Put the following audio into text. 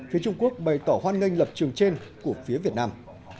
phía trung quốc bày tỏ hoan nghênh lập trường trên của phía việt nam